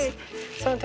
その時。